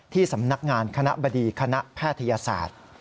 ที่สำนักงานคณะบดีคณะแพทยศาสตร์